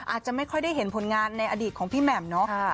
อาจจะไม่ค่อยได้เห็นผลงานในอดีตของพี่แหม่มเนาะ